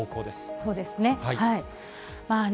そうですね。